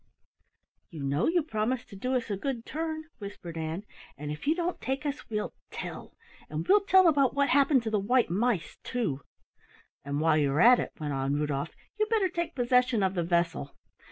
"You know you promised to do us a good turn," whispered Ann. "And if you don't take us we'll tell, and we'll tell about what happened to the white mice, too " "And while you're about it," went on Rudolf, "you'd better take possession of the vessel.